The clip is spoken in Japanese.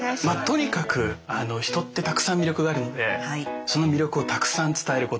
とにかく人ってたくさん魅力があるのでその魅力をたくさん伝えること。